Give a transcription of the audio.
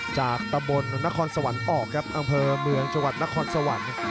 จากตำบลนครสวรรค์ออกครับอำเภอเมืองจังหวัดนครสวรรค์